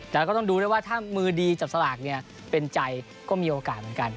แต่ก็ต้องดูด้วยว่าถ้ามือดีจับสลากเนี่ยเป็นใจก็มีโอกาสเหมือนกัน